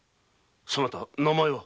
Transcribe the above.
そなたの名前は？